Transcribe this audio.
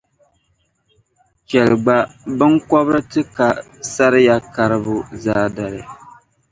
Chɛli gba, binkɔbiri ti ka sariya karibu zaadali.